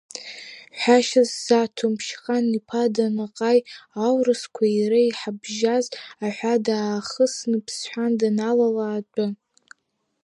Ҳәашьа сзаҭом, Ԥшьҟан-иԥа Данаҟаи, аурысқәеи ҳареи иҳабжьаз аҳәаа даахысны Ԥсҳәан даналала атәы.